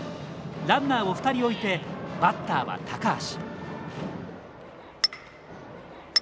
ランナーを２人置いてバッターは高橋。